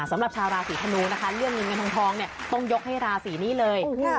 สำหรับชาวราศีธนูนะคะเรื่องเงินเงินทองเนี่ยต้องยกให้ราศีนี้เลย